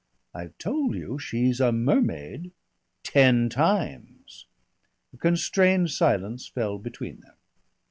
"I've told you she's a mermaid." "Ten times." A constrained silence fell between them.